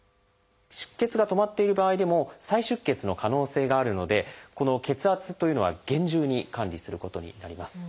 出血が止まっている場合でも再出血の可能性があるのでこの血圧というのは厳重に管理することになります。